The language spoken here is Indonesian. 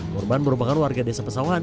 korban merupakan warga desa pesawahan